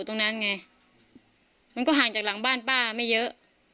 ตรงนั้นไงมันก็ห่างจากหลังบ้านป้าไม่เยอะ